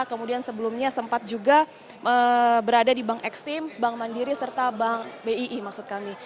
kemudian sebelumnya sempat juga berada di bank ekstrim bank mandiri serta bank bii maksud kami